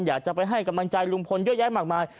อยากจะไปให้กำลังใจลุงพลเยอะแยะมากมาย